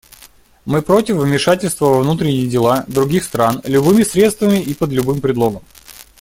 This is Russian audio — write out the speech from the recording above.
Мы против вмешательства во внутренние дела других стран любыми средствами и под любым предлогом.